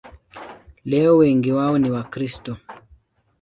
Leo wengi wao ni Wakristo.